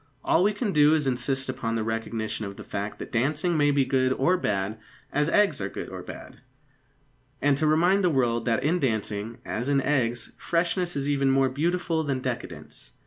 All we can do is to insist upon the recognition of the fact that dancing may be good or bad, as eggs are good or bad, and to remind the world that in dancing, as in eggs, freshness is even more beautiful than decadence.